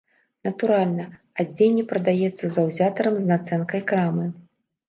Натуральна, адзенне прадаецца заўзятарам з нацэнкай крамы.